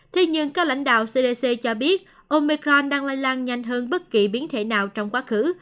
thế nhưng các lãnh đạo cdc cho biết omecran đang lây lan nhanh hơn bất kỳ biến thể nào trong quá khứ